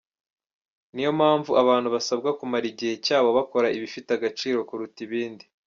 Niyo mpamvu abantu basabwa kumara igihe cyabo bakora ibifite agaciro kuruta ibindi.